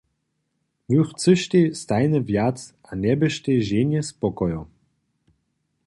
Wój chcyštej stajnje wjac a njeběštej ženje spokojom.